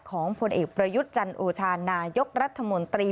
ผลเอกประยุทธ์จันโอชานายกรัฐมนตรี